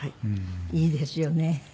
いいですよね。